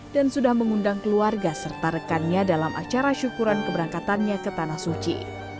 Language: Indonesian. dan sudah mengundang keluarga serta rekannya dalam acara syukuran keberangkatannya ke tanah suci